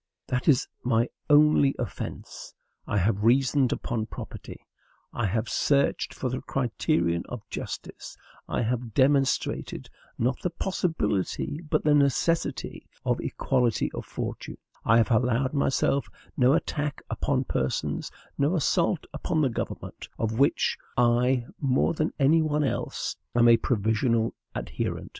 That is my only offence. I have reasoned upon property; I have searched for the criterion of justice; I have demonstrated, not the possibility, but the necessity, of equality of fortunes; I have allowed myself no attack upon persons, no assault upon the government, of which I, more than any one else, am a provisional adherent.